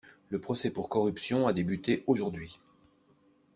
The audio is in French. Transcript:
Le procès pour corruption a débuté aujourd’hui.